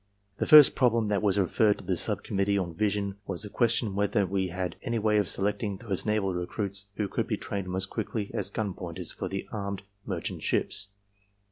"The first problem that was referred to the sub committee on vision was the question whether we had any way of selecting those naval recruits who could be trained most quickly as gun pointers for the armed merchant ships.